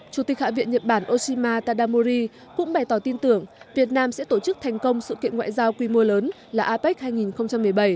chủ tịch hạ viện nhật bản oshima tadamuri cũng bày tỏ tin tưởng việt nam sẽ tổ chức thành công sự kiện ngoại giao quy mô lớn là apec hai nghìn một mươi bảy